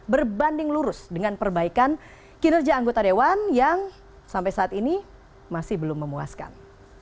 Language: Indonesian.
berbanding lurus dengan perbaikan kinerja anggota dewan yang sampai saat ini masih belum memuaskan